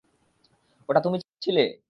ওটা তুমি ছিলে?